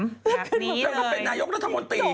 เป็นนายกรรมธรรมนติ